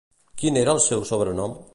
Quin era el seu sobrenom?